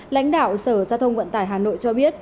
lãnh đạo sở giao thông vận tải hà nội cho biết